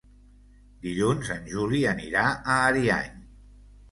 Dilluns en Juli anirà a Ariany.